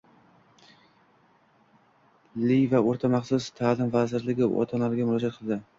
liy va oʻrta maxsus taʼlim vaziri ota-onalarga murojaat qildi